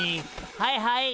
はいはい。